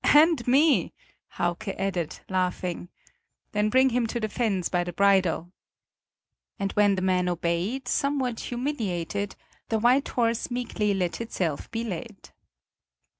"And me!" Hauke added, laughing. "Then bring him to the fens by the bridle." And when the man obeyed, somewhat humiliated, the white horse meekly let itself be led.